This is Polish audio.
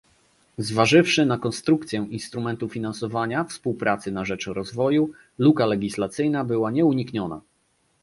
Zważywszy na konstrukcję instrumentu finansowania współpracy na rzecz rozwoju, luka legislacyjna była nieunikniona